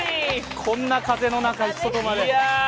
こんな風の中、外まで。